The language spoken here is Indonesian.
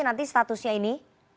nanti statusnya ini